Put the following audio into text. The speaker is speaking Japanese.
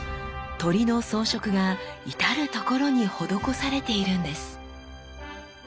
鳥の装飾が至る所に施されているんです。